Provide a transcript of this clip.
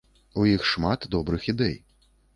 У іх шмат добрых ідэй.